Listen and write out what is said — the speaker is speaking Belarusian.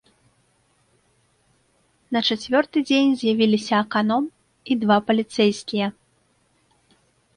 На чацвёрты дзень з'явіліся аканом і два паліцэйскія.